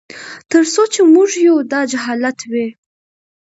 تر څو چي موږ یو داجهالت وي